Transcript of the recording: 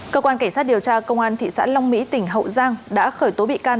cơ quan cảnh sát điều tra công an tp long mỹ tỉnh hậu giang đã khởi tố bị can